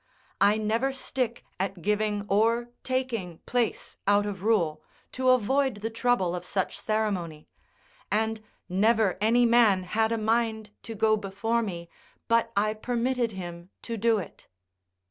I never stick at giving or taking place out of rule, to avoid the trouble of such ceremony; and never any man had a mind to go before me, but I permitted him to do it.